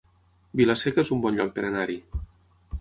Vila-seca es un bon lloc per anar-hi